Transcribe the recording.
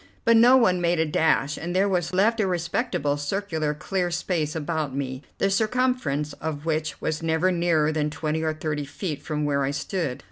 But no one made a dash; there was left a respectable circular clear space about me, the circumference of which was never nearer than twenty or thirty feet from where I stood.